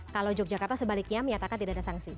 kalau yogyakarta sebaliknya menyatakan tidak ada sanksi